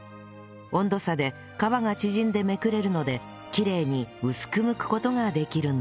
温度差で皮が縮んでめくれるのできれいに薄くむく事ができるんです